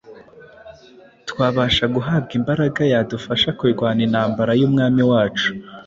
twabasha guhabwa imbaraga yadufasha kurwana intambara y’Umwami wacu.